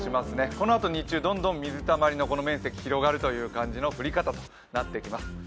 このあと日中、水たまりの面積広がるという形の降り方となってきます。